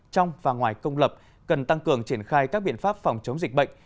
trong và ngoài công lập cần tăng cường triển khai các biện pháp phòng chống dịch bệnh